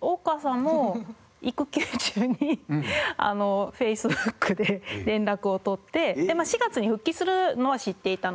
大川さんも育休中にＦａｃｅｂｏｏｋで連絡を取って４月に復帰するのは知っていたので。